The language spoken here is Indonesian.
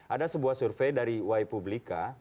ada sebuah survei dari y publica